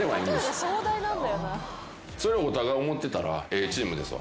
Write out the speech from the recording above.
それをお互い思ってたらええチームですわ。